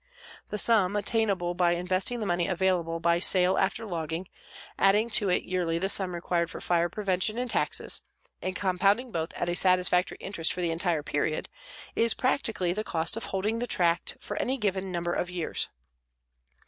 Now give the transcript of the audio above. The sum obtainable by investing the money available by sale after logging, adding to it yearly the sum required for fire prevention and taxes, and compounding both at a satisfactory interest for the entire period, is practically the cost of holding the tract for any given number of years.